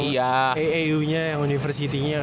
iau nya yang university nya kan